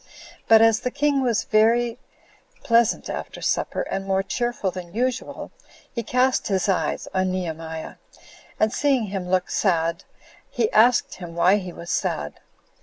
But as the king was very pleasant after supper, and more cheerful than usual, he cast his eyes on Nehemiah, and seeing him look sad, he asked him why he was sad.